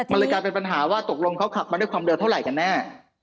มันเลยกลายเป็นปัญหาว่าตกลงเขาขับมาด้วยความเร็วเท่าไหร่กันแน่